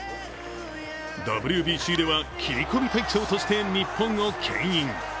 ＷＢＣでは切り込み隊長として日本をけん引。